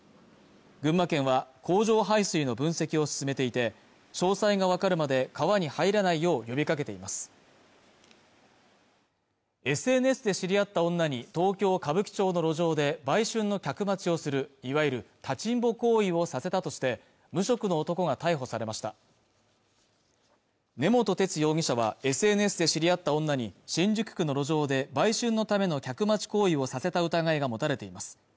群馬県は工場排水の分析を進めていて詳細が分かるまで川に入らないよう呼びかけていますＳＮＳで知り合った女に東京歌舞伎町の路上で売春の客待ちをするいわゆる立ちんぼ行為をさせたとして無職の男が逮捕されました根本哲容疑者はＳＮＳで知り合った女に新宿区の路上で売春のための客待ち行為をさせた疑いが持たれています